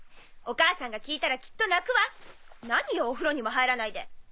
お母さんが聞いたらきっと泣くわ何よお風呂にも入らないで！